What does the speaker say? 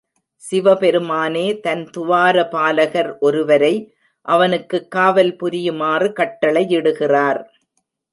சிவபெருமானே தன் துவாரபாலகர் ஒருவரை அவனுக்குக் காவல் புரியுமாறு கட்டளையிடுகிறார்.